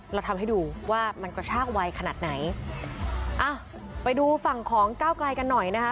เราทำให้ดูว่ามันกระชากไวขนาดไหนอ่ะไปดูฝั่งของก้าวไกลกันหน่อยนะคะ